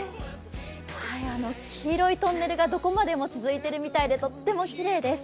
黄色いトンネルが、どこまでも続いているみたいでとってもきれいです。